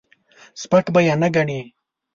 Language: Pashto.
سپک به یې نه ګڼې.